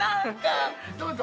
どうぞ。